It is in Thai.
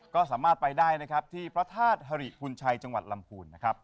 ก็สามารถไปได้นะครับที่พระธาตุฮริพุนชัยจังหวัดลำพูนนะครับ